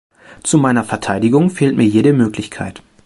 Zu meiner Verteidigung fehlt mir jede Möglichkeit.